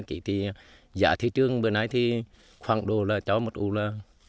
sáu mươi kg thì giá thị trường bữa nay thì khoảng độ là cho một ủ là bốn trăm tám mươi